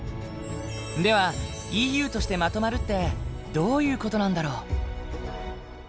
ではＥＵとしてまとまるってどういう事なんだろう？